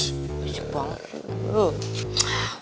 ih si bangudiman